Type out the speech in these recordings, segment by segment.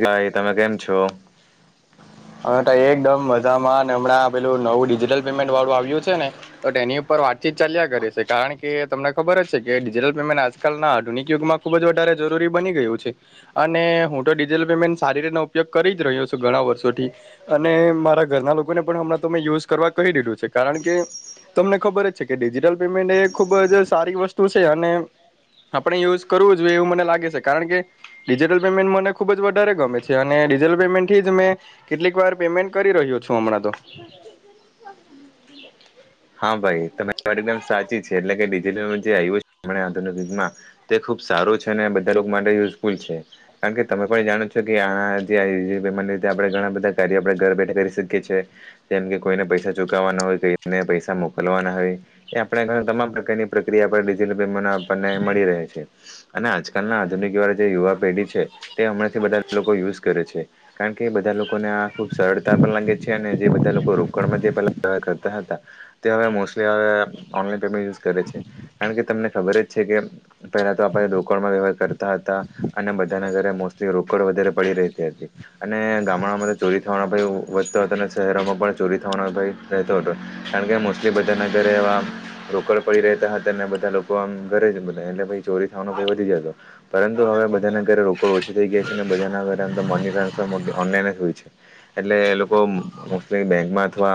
ભાઈ તમે કેમ છો અમે એકદમ મજામાં હમણાં પેલું નવું ડિજિટલ પેમેન્ટ વાળું આવ્યું છે ને તો તે એની ઉપર વાતચીત ચાલ્યા કરે છે કારણ કે તમને ખબર જ છે કે ડિજિટલ પેમેન્ટ આજકાલના આધુનિક યુગમાં ખૂબ જ વધારે જરૂરી બને અને હું તો ડિજટલ પેમેન્ટ સારી રીત ઉપયોગ કરી જ રહ્યો છું ઘણા વર્ષોથી અને મારા ઘરના લોકોને પણ હમણાં તો મેં યુઝ કરવા કહી દીધું છે કારણ કે તમને ખબર જ છે કે ડિજિટલ પેમેન્ટ એ ખુબ જ સારી વસ્તુ છે અને આપણે યુઝ કરવું જોઈએ એવું મને લાગે છે કારણ કે ડિજિટલ પેમેન્ટ મને ખુબ જ વધારે ગમે છે અને ડિજિટલ પેમેન્ટ હી તમે કેટલીક વાર પેમેન્ટ કરી રહ્યો છું હમણાં તો હા ભાઈ તરી વા એકદમ સાચી છે એટલે કેડીજ જે આવ્યું છેુ યુગમાં તે ખુબ ખબ સારો છે અને બધા લોકો માટે યુઝફુલ છે કારણ કે તમે પણ જાણો છો કે આ જે મ આપણે ઘણા બધા કાર્ય આપડણે ઘર બેઠા કરી શકીએ છીએ જેમ કે કોઈને પૈસા ચુકવવાના હોય કોઈને પૈસા પૈસા મોકલવાના હોય એ આપણે ઘ તમામ પ્રકારની પ્રક્રિયા પર ડીઝલ પેમ આપણને મળી રહે છે અને આજકાલ ના આધુનિક વાળા જે યુવા પેઢી છે તે હમણાં થી બધા લોકો યુઝ કરે છે કારણ કે બધા લોકોને આ ખુબ સરળતા પણ લાગે છે અને જે બધા લોકો રોકણમાં જે પેલા કરતા હતા તો હવે મોસ્ટલી હવે ઓનલાન પેમેન્ટ યુઝ કરે છે કારણ કે તમને ખબર જ છે કે પહેલા તો આપ રોકડ વવ કરતા હતા અને બધાને ઘરે મોસ્ટલી રોકડ વધારે પડી રતી હતી અને ગામડામાં ચોરી થવાનો ભાઈ વધતો હતો અને શહેરોમાં પણ ચોરી થવાનો ભાઈ રહેતો હતો કારણ કે એ બધાના ઘરે એવા રોકડ પડી રહેતા હતા અનેને બધા લોકો આમ ઘરે જા એટલે ચોરી થવાનો વધી જ પરુ હવે બધાના ઘરે રોકડ ઓછી થઈ ગયા છે અને બધના ઘની ટ્રાન્સફર એ બેકમાં અથવા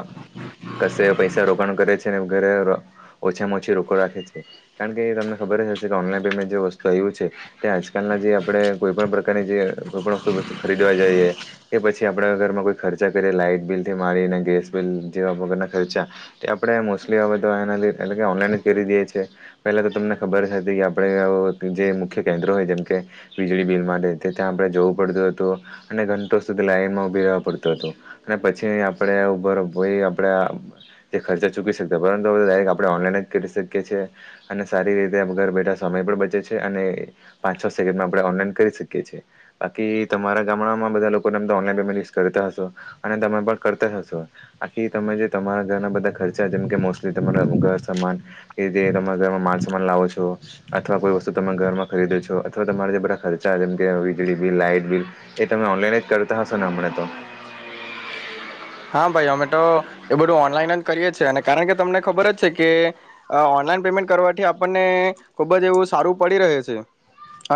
ક પ રોકાણ કરે છે ને ઘરે ઓછામાં ઓછી રોકો રાખે છે કારણ કે તમને ખબર જ હ કે ઓનલાઈન પેમેન્ટ જે વસ્તુ આવ્યું છે તે આજકાલ જે આપડે કોઈ પણ પ્રકારની જે કોઈ પણ વસ્તુ વસ્તુ ખરીદવા જઈએ કે પછી આપણા ઘરમાં કોઈ ખર્ચા લાાઈટ બિલ થી મારીને ગેસ બિલ જેવા વગરના ખર્ચા તે આપણે મોસ્ટલી આ બધ એ લ એટલે ઓનલાઈન જ કરી દઈએ છીએ પેલા તો તમને ખબર જ હતી કે આપણે મુખ્ય કેન્્રય જેમ કે વીજળી બિલ માટે ત્યાં આપણે જવું પડતું હતું અને ધી લાઈનમાં ઉભી રહેવા પડતું હતું અને પછી આપણે ઉભરય આપણે તે ખર્ચા ચૂકી શકતા પરંતુ હવે ડાયરેક્ટ આપણે ઓનલાઈન જ કરી શકીએ છીએ અને સારી રીતે ઘર બેઠા સમય બચે છે અને પાંચ છ સેકન્ડમાં આપ ઓનલાઈન કરી શકીએ છએ બાકી તમારા ગામડામાં બધા લોકો ઓનલાન પેમેન્ટ યુઝ કરતા હો અને તમે પણ કરતા હશો આખી તમે જે તમા ઘરના બધા ખર્ચા જેમ કે મોસ્ટલી તમારા ઘર સમાન કે જે તમારા ઘરમાં માલ સમાન લાવો છો અથવા કોઈ વસ્તુ તમે ઘરમાં ખરીદો છો અથવા તમારા જે બધા ખર્ચા કે વીજળી બિલ લાઈટ બિલ એ તમે ઓનલાઈન જ કરતા હશેો ને હમ તો હા ભાઈ અમેટો એ બધું ઓનલાઈન જ કરીએ છીએ અને કારણ કે તમને ખબર જ છે કે ઓનલાઈન પેમેન્ટ કરવાથી આપણને ખુબ જ એવું સારું પડી રહે છે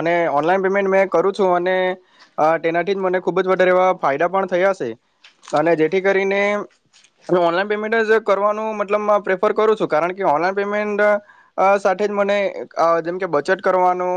અને ઓનલાઈન પેમેન્ટ મેં કરું છું અને તેનાથી જ મને ખુબ જ વધારે એવા ફાયદા પણ થયા અને જેથી કરીને હ ઓનલાઈન પેમેન્ટ જ કરવાનું મતલબ પ્રેફર કરું છું કારણ કે ઓનલાઈન પેમેન્ટ સાથે મને જેમકે બચત કરવાનું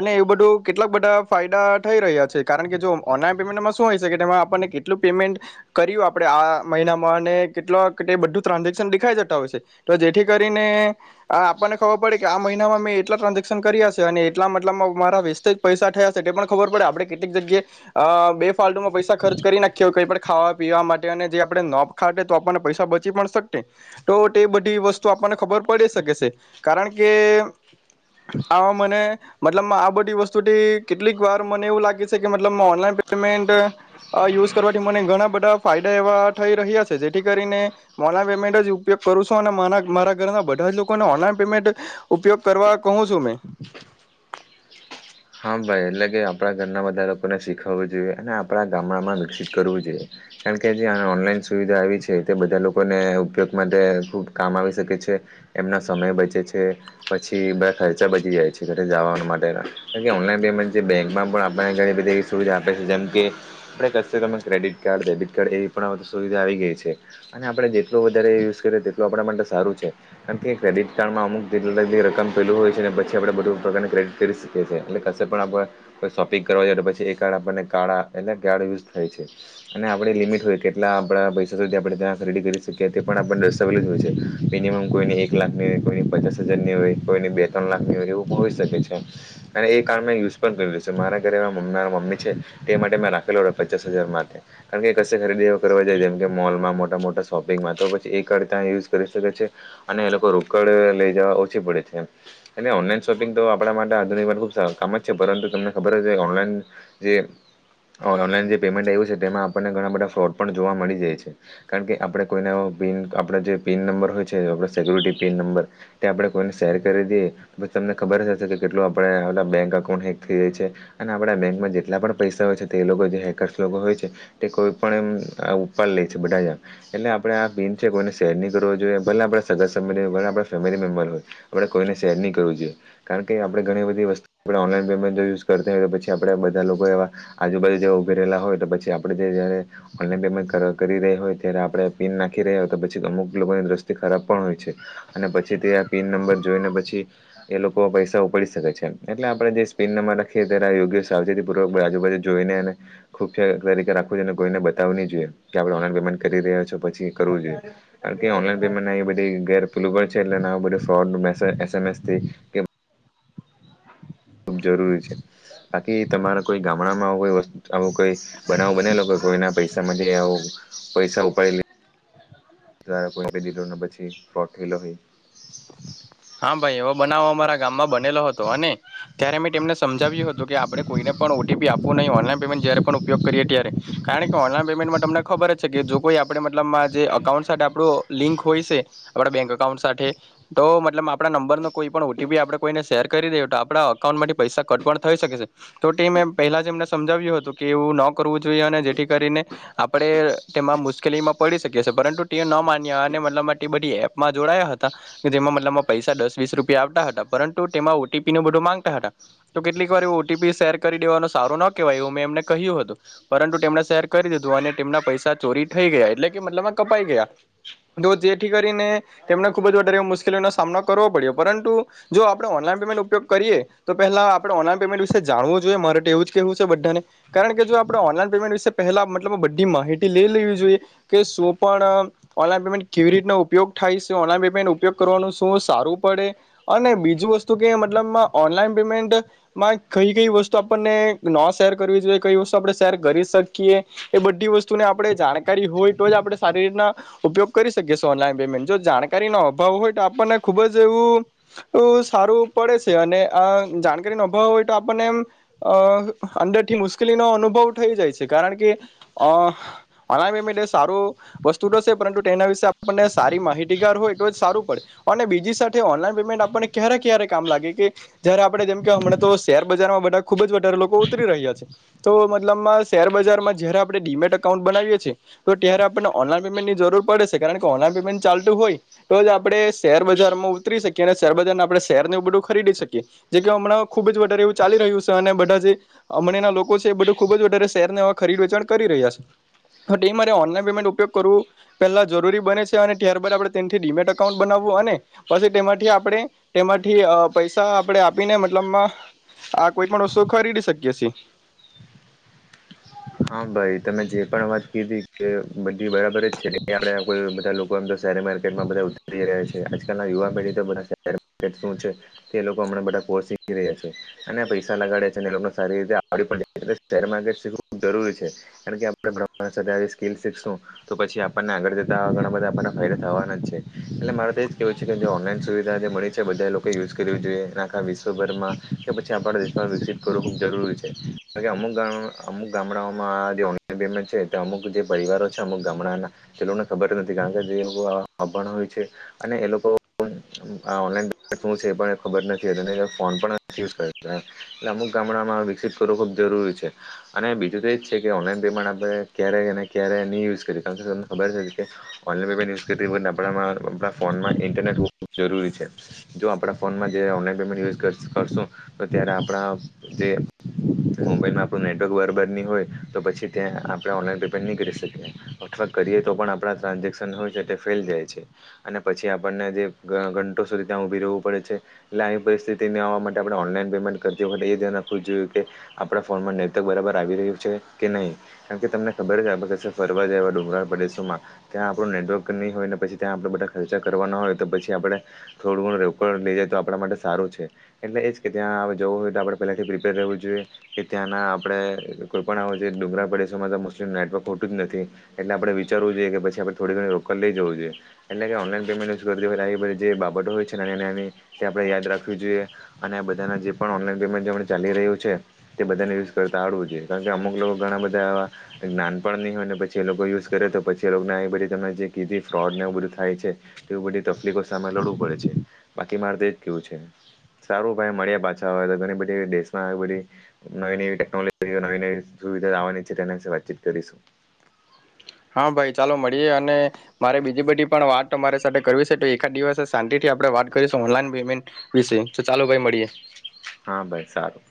અને એવું બધું કેટલાક બધા ફાયદા થઈ રહ્યા છે કારણ કે જો ઓનલાન પેમેન્ટમાં શું હોય તેમાં આપણને કેટલું પેમેન્ટ કર આપ આપણે આ મહિનામાંને કેટલા બધું ટ્રાન્ઝેક્શન દેખાઈ જતા હોય છે તો જેથી કરીને આ આપણને ખબર પડે કે આ મહિનામાં મેં એટલા ટ્રાન્ઝેક્શન કર્યા છે અને એટલા મતલબમાં મારા વસ્તે જ પૈસા થયા પણ ખબર પડે આપણે કેટલીક જગ્યાએ બે ફાલ્ટમાં પૈસા ખર્ચ કરી નાખી હોય કઈ પણ ખાવા પીવા માટે જે આપણે નો ખાટે તો આપણને પૈસા બચી પણ શક તો તે બધી વસ્તુ આપણને ખબર પડે શકે છે કારણ કે આ મને મતલબ આ બધી વસ્તુથી કેટલીક વાર મને એવું લાગે છે કે મતલબ ઓનલાઈન પેમેન્ટ યુઝ કરવાથી મને ઘણા બધા ફાયદા એવા થઈ રહ્યા છે જેથી કરીને ઓનલાઈન પેમેન્ટ જ ઉપયોગ કરું છો અને મારા ઘરના બા લોકો ઓનલાન પેમેન્ટ ઉપયોગ કરવા કહ છું મે [inaudible] હા ભાઈ એટલે કે આપણા ઘરના બધા લોકોને શીખવવું જોઈએ અને આપણા ગામડામાં વિકસિત કરવું જોઈએ કારણ કે જે આ ઓનલાઈન સુવિધા આવી છે તે બધા લોકોને ઉપયોગ માટે ખૂબ કામ આવી શકે છે એમના સમય બચે છે પછી બ ખર્ચા બચી જાય છે ઘરે જવા માટેના ઓનલાઈન પેમેન્ટ છે બેંકમાં પણ આપને ઘણી બધી એવી સુવિધા આપે છે જેમ કે આપણે ક તમે ક્રેડિટ કાર્ડ ડેબિટ કાર્ડ એવી પણધ સુવિધા આવી ગઈ છે અને આપણે જેટલોું વધારે યુઝ કરીએ તેટલું આપણા માટે સારું છે કારણ કે ક્રેડટ કાર્ડમાં અમુક જેટલા રકમ પેલું હોય છે અને પછી આપડણે બધું પ્રકાર ક્ર્રેડિટ કરી શકીએ છીએ એટલે કશે પણ આપણે કોઈ શોપિંગ કરવા જોઈએ તો પછી એ કાર્ળ આપણને કાળા એટલે કાળ યુઝ થાય છે અને આપડે લિમિટ હોય કે એટલા આપણા પૈસા સુધી આપણે ત્યાં ખરીદી કરી શકીએ તે પણ આપણને દસ્તાવેલજ હોય છે મિનિમમ કોઈને એક લાખની કોઈની પચાસ હજાર ની હોય કોઈની બે ત્રણ લાખ ની હોય એવું હોઈ શકે છે અને એ કાર્ણ મેં યુઝ પણ કરી્યું છે મારા ઘરે મમ્મ મમ્મી છે તે માટે મેં રાખેલો ઓર્ડર પચાસ હજાર માટે કારણ કે કશે ખરીદી કરવા જાય જેમ કે મોલમાં મોટા મોટા શોપિંગમાં તો પછી એક અડતા યુઝ કરી શકે છે અને એ લોકો રોકડ લઈ જવા ઓછી પડે છે એટલે ઓનલાઈન શોપિંગ તો આપણા માટે આધુનિક કામ જ છે પરંતુ તમને ખબર હ છે ઓનલાઈન જે ઓનલાઈન જે પેમેન્ટ આવ્યું છે તેમાં આપણને ઘણા બધા ફ્રોડ પણ જોવા મળી જાય છે કારણ કે આપણે કોઈને એ પન આપણા જે પિન નંબર હોય છે આપ સેિક્યુરિટી પિન નંબર તે આપણે કોઈને શેર કરી દઈએછ તમને ખબર જ હશે કેટલું આપડ હ બેંક અકાઉન્ટ હેક થઈ જાય છે અને આપણા બેંકમાં જેટલા પણ પૈસા હોય છે તે લોકો જે હેકર્સ લોકો હોય છે કોઈ પણ એમ આ ઉપાડ લે છે બધા જ એટલે આપડે આ ભીન છે કોઈને શેર ન કરવો જોઈએ ભલા આપે સગ આપણે ફેમિલી મેમ્બર હોય આપણે કોઈને શેર નહી કરવું જોઈએ કારણ કે આપણે ઘણી બધી વસ્તુ આપણે ઓનલાઈન પેમેન્ટ જો યુઝ કરતા હોય તો પછી આપણેે બધા લોકો એવા આજુબાજુ જેવા ઉભી રહેલા હોય તો પછી આપણે જે ઓલાન પેન્ટ કરી રહી હોય ત્યારે આપણે પિન નાખી રહ્યા હોય તો અમુક લોકોની દ્રષ્ટિ ખરાબ પણ હોય છે અને પછી તે આ પીન નંબર જોઈને પછી એ લોકો પૈસા ઉપડી શકે છેમ એટલે આપણેે જે સ્પેન લખીએ ત્યારે યોગ્ય સાવચેતી પૂર્વક આજુબાજુ જોઈનેને ખુબખ તરીકે ને કોઈને બતાવ જોઈએ કે આપણે ઓ પેમેન્ટ કરી રહ્યા છો પછી કરવું જોઈએ કારણ કે ઓનલાન પેમેન્ટ બધ ગેર પલ એટલે બધું ફ્રોડ મે એસએમએસ થી કે ખુબ જરૂરી છે બાકી તમારા કોઈ ગામડામાં કોઈસ્તુ આવો કોઈ બનાવો બનાલો કોઈના પૈસા માટે આવું પૈસા ઉપાડી લીધ જરા કોઈ ક દીધોના પછી ફ્રોટ થયેલો હોય હા ભાઈ એવો બનાવો અમારા ગામમાં બનેલો હતો અને ત્યારે મેં તેમને સમજાવ્યું હતું કે આપણે કોઈને પણ ઓટીપી આપવું નહીં ઓનલાઈન જ પણ ઉપયોગ કરીએ ત્યારે કારણ કે ઓનલાન પેમેન્ટમાં તમને ખબર જ છે કે જો કોઈ આપણે મતલબ જે અઉ લિંક હોય આપ બેંક અઉ તો એ આપણા નંબર ન કોઈ પણ ઓટીપી આપણે કોઈને શેર કરી દેએ તો આપણા અકાઉન્ટ માં પૈસા કટ પણ થઈ શકે પલામને સમજાવ્યું હતું કે એવું ન કરવું જોઈએ અને જેથી કરીને આપણે તે મુશ્કેલી માં પડી શકેીએ પરંતુ ટઓ ન માન્યા અને મતલબ બધી એપમાં જોડાયા હતા જેમાં મતલબ પૈસા દસ વીસ રૂપિયા આવતા હતા પરંતુ તેમાં ઓટીપી નું બધું માંગતા હતા તો કેટલીક વાર ઓટીપી શેર દેવાનો સારો ન કહેવાય એવું મેં એમને કહ્યું હતું પરંતુ તેમણે શેર કરી દીધું અને તેમના પૈસા ચોરી થઈ ગયા એટલે કે મતલબ કપાઈ ગયા તો જેથી કરીને તેમને ખુબ જ વધારે મુશકેલીનો સામનો કરવો પડ્યો પરંતુ જો આપણે ઓનલાન પેમેન્ટ ઉપયોગ કરીએ તો પહેલા આપણે ઓનલાન પેમેન્ટ વિશે જાણવો જોઈએ એવું જ કેવું છે બધાને કારણ કે જો આપણે ઓનલાઈન પેમેન્ટ વિશે પહેલા મતબ બધી માહિતી લે લેવી જોઈએ કે શું પણ ઓનલાઈન પેમેન્ટ કેવી રીતનો ઉપયોગ થાય છે ઓનલાઈન પેમેન્ટ ઉપયોગ કરવાનું શું સારું પડે અને બીજું વસ્તુ કે મતલબમાં ઓનલાઈન પેમેન્ટમાં કઈ કઈ વસ્તુ આપને ન શેર કરવી જોઈએ કઈ વસ્તુ આપણે શેર કરી શકીએ એ બધી વસ્તુને આપે જાણકારી હોય તો જ આપણે સારી રીતના ઉપયોગ કરી શકી ઓનલાઈન પેમેન્ટ જો જાણકારી નો અભાવ હોય તો આપણને ખુબ જ એવું સારું પડે છે અને આ જાણકારી નોભાવ હોય તો આપણને એમ અ અંદરથી મુશ્કેલીનો અનુભવ થઈ જાય છે કારણ કે અ અનામ લે સારું વસ્તુ તોશે પરંતુ તેના વિશે આપણને સારી માહિતીગાર હોય એ તો જ સારું પડે અને બીજી સાથે ઓનલાઈન પેમેન્ટ આપણને ક્યારે ક્યારે કામ લાગે કે જયારે આપડે જેમ કે હમણા તો શેર બજારમાં ખુબ જ વધારે લોકો ઉતરી રહ્યા છે તો મતલબમાં શેરબજાર માં જય આપણે ડીમેટ અકાઉન્ટ બનાવીએ છીએ તો ત્યારે આપને ઓનલાન પમેન્ટની જરૂર પડે કારણ કે ઓનલાન પેમેન્ટ ચાલતું હોય તો આપડે શેર બજાર માં ઉતરી શકીએ અને શેરબજાર ને આપણે શેર ને ઉડું ખરીદી શકીએ જે કે હમણાં ખુબ જ વધારે એવું ચા રહ્યું છે અને બધા જે હમણાંના લોકો છે એ બધું ખુબ જ વધારે શહેરને ખરીદ વેચાણ કરી રહ્યા છે તો એ મારે ઓનલાઈન પેમેન્ટ ઉપયોગ કરવો પેલા જરૂરી બને છે અને ત્યારબાદ આપણે તેથી ડિમેટ અકાઉન્ટ બનાવું પછી તેમાંથી આપણે તેમાંથી પૈસા આપણેે આપીને મતલબમાં આ કોઈ પણ વસ્તુ ખરીદી શકીએ છીએ [inaudible] હા ભાઈ તમે જે પણ વાત કીધી કે બધી બરાબર છે આપડે બધા લોકો એમ શેર માર્કેટમાં બધા ઉતરી રહ છે આજકાલ ના યુવા પેઢી તો બધા શરટ શું છે તે લોકો હમણા બધા કોસીક રયા છે અને પૈસા લગાડે છે અને એ સારી રીતે આવ પડે માર્ટ જરૂરી છે કારણ આપણે બ સ્કીલ શીખશું તો પછી આપણને આગળ જતા ઘણા બધા થવાના છે એ મારે તોજ કેવું છે કે ઓનલાઈન સુવિધા મળી છે બધા લોકો યુઝ કરવી જોઈએ આખા વિશ્વભરમાં કે પછી આપણા દેશમાં વિકસિત કરવું ખૂબ જરૂરી છે કાર અમુક ગ અમુક ગામડાઓમાં જે ઓનલાઈન પેમેન્ટ છે અમુક જે પરિવારો છે અમુક ગામડાના છેલોને ખબર નથી કાર અભણ હોય છે અને એ લોકો શ છેબર ફોન પણ નથી એટલે અમુક ગામડામાં વિકસિત કરવો ખુબ જરૂરી છે અને બીજું તો એજ છે કે ઓનલાઈન પેમેન્ટ આપડણે ક્યારેય અને ક્યારે નહી યુઝ કરી કારણ કે તમને ખબર છે કે ઓનલાઇન પેમેન્ટ યુશ આપડા મા ફોનમાં ઇન્ટરનેટ હો જરૂરી છે જો આપણા ફોન આમા જે ઓનલાઇન પેમેન્ટત યુશ કરશુ તો ત્યાં આપડા જે મોબાઇલ મા આપણું નેટવર્ક બરબર ની હોય તો પછી ત્યાં આપણે ઓનલાઈન પેમેન્ટ નહીં કરી શકીએ અથવા કરીએ તો પણ આપણા ટાન્ઝેશ હોય છે તે ફે જાય છે અને પછી આપણને જે ઘંટો સુધી ત્યાં ઉભી રવું પડે છે એલા આવી પરી સ્તિમા માટે ઓનલાઇન પેમેન્ટ કરતી એખ જોય કે આપ ફોનમાં નેટવર્ક બરાબર આવી રહ્યું છે કે નહીં કારમ કે તમને ખબર જ આપ ક ફરવા જાય એવા ડુંગળ પડ મા કયા આપડુ નેટવર્ક ની હોય પછી ત્યાં આપડુ બધા ખર્ચા કરવાના હોય તો પછી આપડે થોડું લઈ જાય તો આપણા માટે સારું છે એટલે એજ કે ત્યાં જવું હોય તો આપણે પહેલાથી પ્રિપેર રહેવું જોઈએ કે ત્યાંના આપડે કોઈ પણ ડુંગરા પ્રડેશોમાં તો મુસ્લિમ નેટવર્ક હોટું જ નથી એટલે આપડે વિચ જરૂર જોઈએ કે પછી આપ થડી ઘણી રોલ લઈ જવું જોઈએ એટલે કે ઓનલાન પેમેન્ટધ જે બાબતો હોય છે આપણે યાદ રાખ જોઈએ અને આ બધાના જે પણ ઓનલાઈન પેમેન્ટ ચાલી રહ્યું છે તે બધાને યુઝ કરતા આવડવું જોઈએ કારણ કે અમુક લોકો ઘણા બધા એવા નાન પણ નહીં હોય ને પછી એ લોકો યુઝ કરે તો પછી એ લોકોને આ બધી તમને જે કીધી ફ્રોડ ને એવું બધું થાય છે તે એ બધી તકલીફો સામે લડવું પડે છે બાકી મારે તો કેવું છે સારું ભાઈ મળ્યા પાછા હોય તો ઘણી બધી દેશમાં આવી બધી નવી નવી ટેકનોલોજી નવી નવી સુવિધા લાવવાની છે તેના વાતચીત કરીશું હા ભાઈ ચાલો મળીએ અને મારે બીજી બધી પણ વાત અરી સાથે કરવી છે તો એકાદ દિવસ શાંતિથી આપણે વાત કરીશું ઓનલાન પેમેન્ટ વિશે તો ચાલો ભાઈ મળીએ હા ભાઈ સારું